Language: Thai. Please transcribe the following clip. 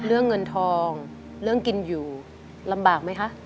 เรื่องเงินทองเรื่องกินอยู่ลำบากไหมคะ